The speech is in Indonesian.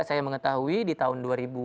saya mengetahui di tahun dua ribu dua